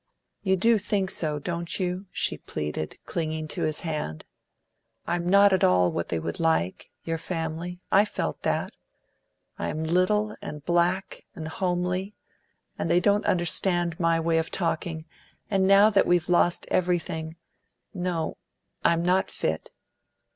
You do think so, don't you?" she pleaded, clinging to his hand. "I am not at all what they would like your family; I felt that. I am little, and black, and homely, and they don't understand my way of talking, and now that we've lost everything No, I'm not fit.